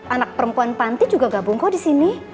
anak perempuan panti juga gabung kok disini